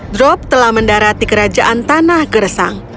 drop telah mendarat di kerajaan tanah gersang